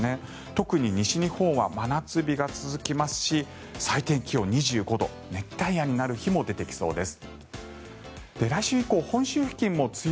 特に西日本は真夏日が続きますし最低気温２５度熱帯夜になる日も出てきそうです。